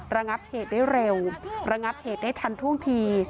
ระงับเหตุได้เร็วระงับเหตุได้ทันท่วงที